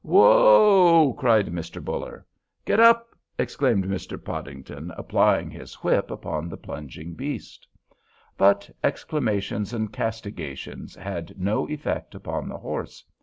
"Whoa!" cried Mr. Buller. "Get up!" exclaimed Mr. Podington, applying his whip upon the plunging beast. But exclamations and castigations had no effect upon the horse.